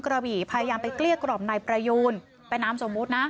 กรบีพยายามไปเกลี้ยกรอบในปรายูนเป็นน้ำสมมตินะ